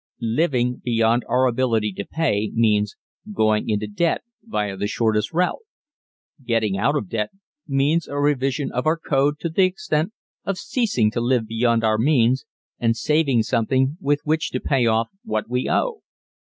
Living beyond our ability to pay means going into debt via the shortest route. Getting out of debt means a revision of our code to the extent of ceasing to live beyond our means and saving something with which to pay off what we owe.